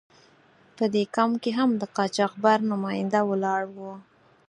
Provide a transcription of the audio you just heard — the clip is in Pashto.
په دې کمپ کې هم د قاچاقبر نماینده ولاړ و.